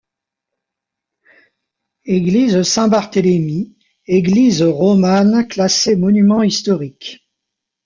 Église Saint-Barthélémy, église romane classée monument historique.